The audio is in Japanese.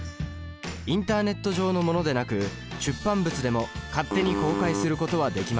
インターネット上のものでなく出版物でも勝手に公開することはできません。